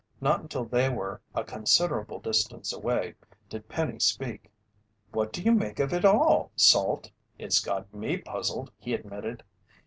Not until they were a considerable distance away, did Penny speak. "What do you make of it all, Salt?" "It's got me puzzled," he admitted.